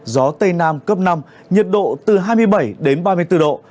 gió tây nam cấp năm nhiệt độ từ hai mươi bảy ba mươi năm độ